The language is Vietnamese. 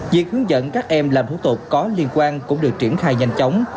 việc hướng dẫn các em làm thủ tục có liên quan cũng được triển khai nhanh chóng